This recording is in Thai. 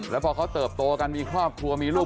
แล้วพอเขาเติบโตกันมีครอบครัวมีลูก